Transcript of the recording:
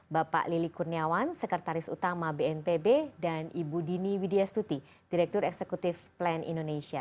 bapak lili kurniawan sekretaris utama bnpb dan ibu dini widya stuti direktur eksekutif plan indonesia